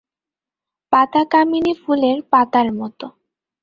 পাতা কামিনী ফুলের পাতার মত।